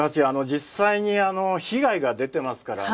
実際にあの被害が出てますからね。